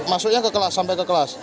masuknya sampai ke kelas